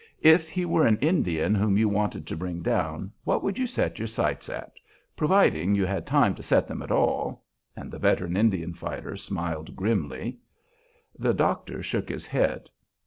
If he were an Indian whom you wanted to bring down what would you set your sights at, providing you had time to set them at all?" and the veteran Indian fighter smiled grimly. The doctor shook his head.